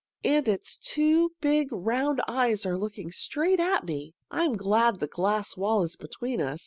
And its two big round eyes are looking straight at me! I'm glad the glass wall is between us.